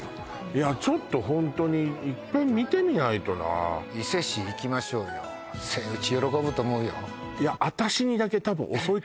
いやちょっとホントにいっぺん見てみないとな伊勢シー行きましょうよとつげーき！